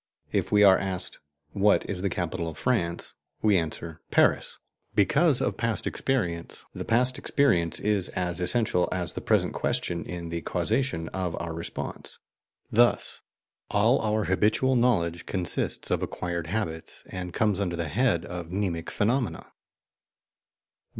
If we are asked "What is the capital of France?" we answer "Paris," because of past experience; the past experience is as essential as the present question in the causation of our response. Thus all our habitual knowledge consists of acquired habits, and comes under the head of mnemic phenomena.